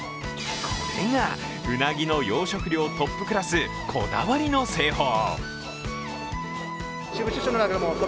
これが、うなぎの養殖量トップクラスこだわりの製法。